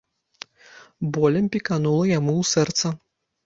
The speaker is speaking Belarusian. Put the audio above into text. Болем пеканула яму ў сэрца.